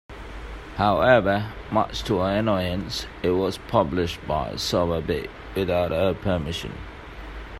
However, much to her annoyance, it was published by Sowerby without her permission.